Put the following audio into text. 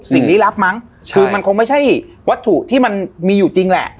ลี้ลับมั้งคือมันคงไม่ใช่วัตถุที่มันมีอยู่จริงแหละ